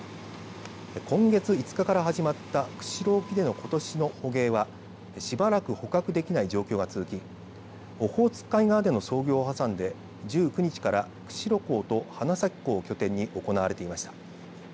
今月５日から始まった釧路沖でのことしの捕鯨はしばらく捕獲できない状況が続きオホーツク海側での操業を挟んで１９日から釧路港と花咲港を拠点に行われていました。